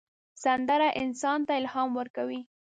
سندره انسان ته الهام ورکوي